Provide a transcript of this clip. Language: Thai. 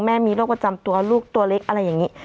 แม่มีโรคประจำตัวลูกตัวเล็กอะไรอย่างนี้